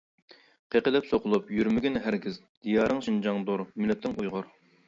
قېقىلىپ سوقۇلۇپ يۈرمىگىن ھەرگىز، دىيارىڭ شىنجاڭدۇر مىللىتىڭ ئۇيغۇر.